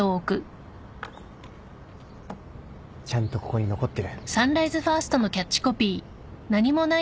ちゃんとここに残ってる。